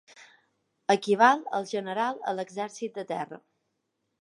Equival al general a l'exèrcit de terra.